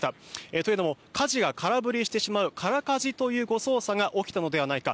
というのもかじが空振りしてしまう空かじという誤操作が起きたのではないか。